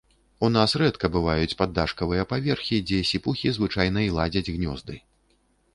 У нас рэдка бываюць паддашкавыя паверхі, дзе сіпухі звычайна і ладзяць гнёзды.